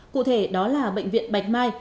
cụ thể đó là bệnh viện bạch mai